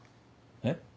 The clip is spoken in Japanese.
えっ？